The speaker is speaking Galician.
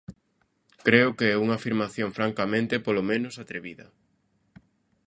Creo que é unha afirmación francamente, polo menos, atrevida.